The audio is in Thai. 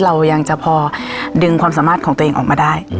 เรายังจะพอดึงความสามารถของตัวเองออกมาได้